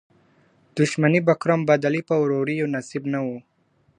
دښمنۍ به کړم بدلي په وروریو، نصیب نه وو